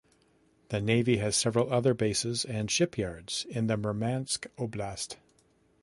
The Navy has several other bases and shipyards in the Murmansk Oblast.